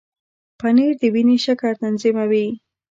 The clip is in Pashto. پنېر د وینې شکر تنظیموي.